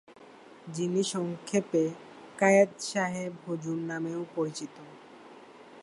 যিনি সংক্ষেপে কায়েদ সাহেব হুজুর নামেও পরিচিত।